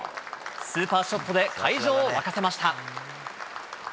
スーパーショットで会場を沸かせました。